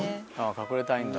隠れたいんだ。